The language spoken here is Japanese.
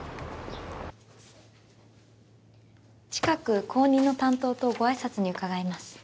近く後任の担当とご挨拶に伺います。